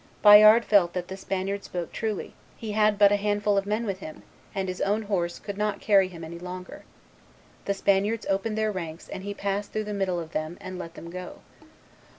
Bayard felt that the Spaniard spoke truly; he had but a handful of men with him, and his own horse could not carry him any longer: the Spaniards opened their ranks, and he passed through the middle of them and let them go.